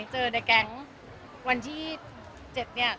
เจอในแก๊งวันที่๗เนี่ย